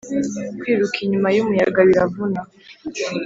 kwiruka inyuma y’umuyaga biravuna